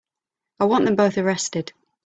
I want them both arrested.